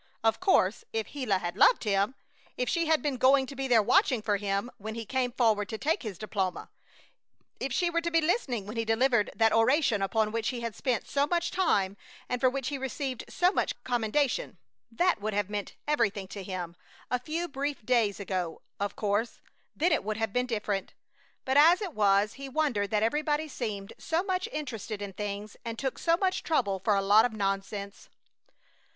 Of course, if Gila had loved him; if she had been going to be there watching for him when he came forward to take his diploma; if she were to be listening when he delivered that oration upon which he had spent so much time and for which he received so much commendation, that would have meant everything to him a few brief days ago of course, then it would have been different! But as it was he wondered that everybody seemed so much interested in things and took so much trouble for a lot of nonsense.